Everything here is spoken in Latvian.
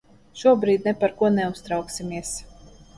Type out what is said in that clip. Šobrīd ne par ko neuztrauksimies.